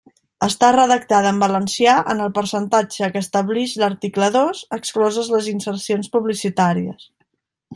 Estar redactada en valencià en el percentatge que establix l'article dos, excloses les insercions publicitàries.